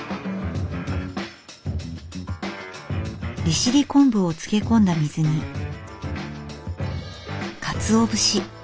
利尻昆布を漬け込んだ水にかつお節。